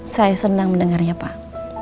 saya senang mendengarnya pak